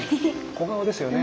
小顔ですよね。